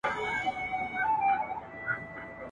د عملي استازيتوب تر ټولو